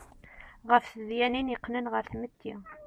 Ɣef tedyanin yeqqnen ɣer tmetti.